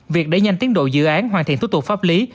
việc đẩy nhanh tiến độ dự án hoàn thiện thủ tục pháp lý